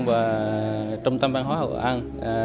và trung tâm văn hóa hội an